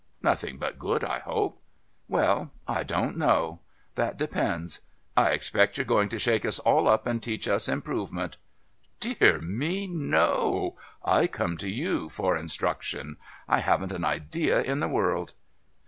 "Nothing but good, I hope." "Well, I don't know. That depends. I expect you're going to shake us all up and teach us improvement." "Dear me, no! I come to you for instruction. I haven't an idea in the world."